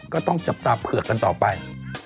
ก็ต้องจับตาเผือกกันต่อไป